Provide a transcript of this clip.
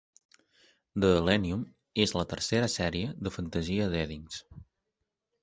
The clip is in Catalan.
"The Elenium" és la tercera sèrie de fantasia d'Eddings.